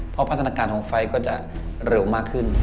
เพราะพัฒนาการของไฟก็จะเร็วมากขึ้น